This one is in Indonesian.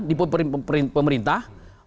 di pro pemerintah